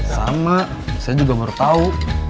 sama saya juga baru tau